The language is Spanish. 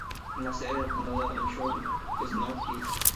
La sede del condado es Snow Hill.